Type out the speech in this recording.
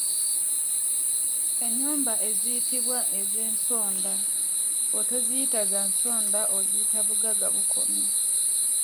Ennyumba eziyitibwa ez’Ensonda, bw’otoziyita za nsonda oziyita Bugagga bukomye.